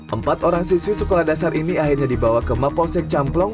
empat orang siswi sekolah dasar ini akhirnya dibawa ke mapolsek camplong